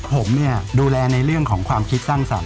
ผมเนี่ยดูแลในเรื่องของความคิดสร้างสรรค